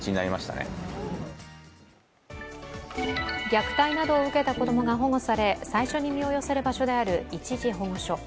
虐待などを受けた子供が保護され最初に身を寄せる場所である一時保護所。